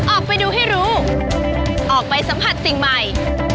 ออกไปดูให้รู้ออกไปสัมผัสสิ่งใหม่